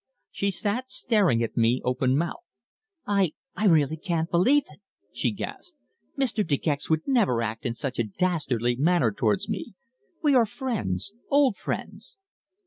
She sat staring at me open mouthed. "I I really can't believe it!" she gasped. "Mr. De Gex would never act in such a dastardly manner towards me. We are friends old friends."